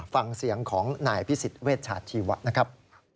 ฟังเสียงของนายพิสิทธิเวชชาชีวะนะครับ